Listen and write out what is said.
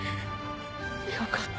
よかった。